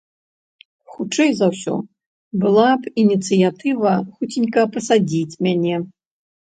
Хутчэй за ўсё, была б ініцыятыва хуценька пасадзіць мяне.